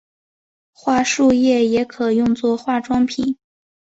桦树液也可用做化妆品。